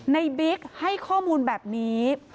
บิ๊กให้ข้อมูลแบบนี้